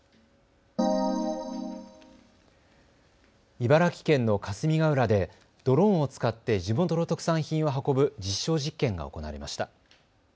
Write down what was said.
茨城県の霞ヶ浦でドローンを使って地元の特産品を運ぶ実証実験が行われました。